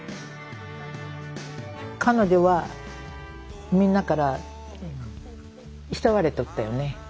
彼女はみんなから慕われとったよね。